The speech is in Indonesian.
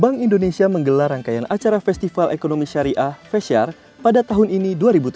bank indonesia menggelar rangkaian acara festival ekonomi syariah fesyar pada tahun ini dua ribu tujuh belas